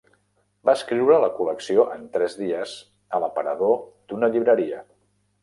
Va escriure la col·lecció en tres dies a l'aparador d'una llibreria.